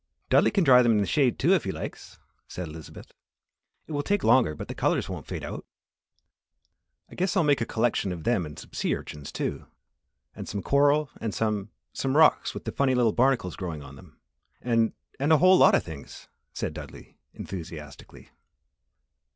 "Dudley can dry them in the shade, too, if he likes," said Elizabeth. "It will take longer but the colours won't fade out." "I guess I'll make a collection of them and some sea urchins, too. And some coral and some some rocks with the funny little barnacles growing on them, and and a whole lot of things," said Dudley, enthusiastically.